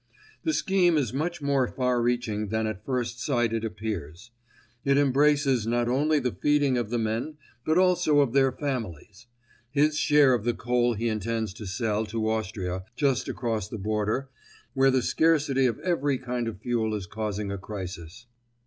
The scheme is much more far reaching than at first sight it appears. It embraces not only the feeding of the men, but also of their families. His share of the coal he intends to sell to Austria, just across the border, where the scarcity of every kind of fuel is causing a crisis.